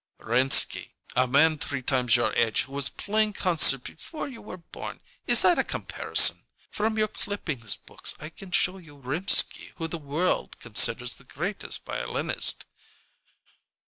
"Rimsky! A man three times your age who was playing concerts before you was born! Is that a comparison? From your clippings books I can show Rimsky who the world considers the greatest violinist.